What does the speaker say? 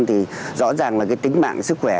thì rõ ràng là cái tính mạng sức khỏe